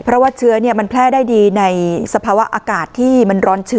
เพราะว่าเชื้อมันแพร่ได้ดีในสภาวะอากาศที่มันร้อนชื้น